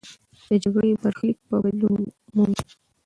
د جګړې برخلیک به بدلون مومي.